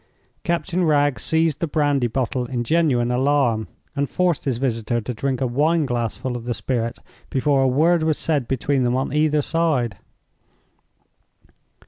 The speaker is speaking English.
Captain Wragge seized the brandy bottle in genuine alarm, and forced his visitor to drink a wine glassful of the spirit before a word was said between them on either side.